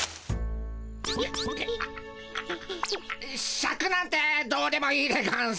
シャクなんてどうでもいいでゴンス。